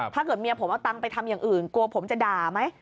ถ้าเกิดเมียผมเอาตังค์ไปทำอย่างอื่นกลัวผมจะด่าไหม